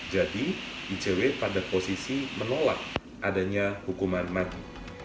jadi icw pada posisi menolak adanya hukuman mati